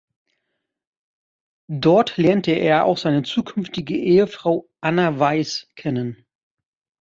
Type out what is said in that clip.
Dort lernte er auch seine zukünftige Ehefrau Anna Weiß kennen.